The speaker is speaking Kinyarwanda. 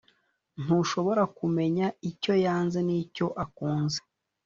ntushobora kumenya icyo yanze nicyo akunze